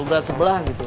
berat sebelah gitu